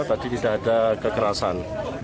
tadi tidak ada kekerasan